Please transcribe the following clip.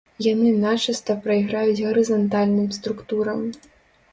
Яны начыста прайграюць гарызантальным структурам.